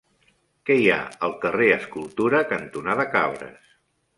Què hi ha al carrer Escultura cantonada Cabres?